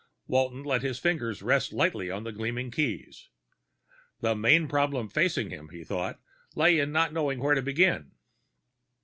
Walton let his fingers rest lightly on the gleaming keys. The main problem facing him, he thought, lay in not knowing where to begin.